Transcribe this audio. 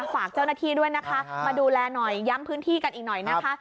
ฝากเจ้าหน้าที่ด้วยนะคะมาดูแลหน่อยย้ำพื้นที่กันอีกหน่อยนะคะ